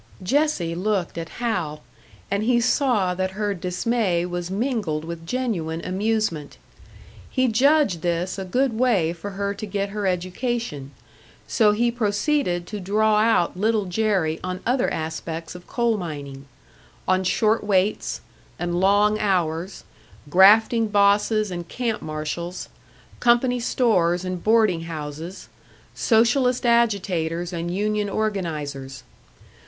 Jessie looked at Hal, and he saw that her dismay was mingled with genuine amusement. He judged this a good way for her to get her education, so he proceeded to draw out Little Jerry on other aspects of coal mining: on short weights and long hours, grafting bosses and camp marshals, company stores and boarding houses, Socialist agitators and union organisers.